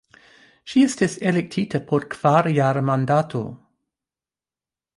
Ŝi estis elektita por kvarjara mandato.